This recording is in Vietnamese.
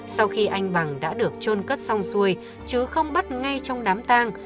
sau khi anh bằng đã được trôn cất xong xuôi chứ không bắt ngay trong đám tang